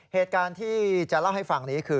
เหตุการณ์ที่จะเล่าให้ฟังนี้คือ